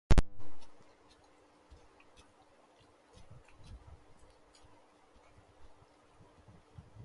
حکومت کا ٹیکس استثنی سے ترسیلات زر میں سہولت فراہم کرنے کا فیصلہ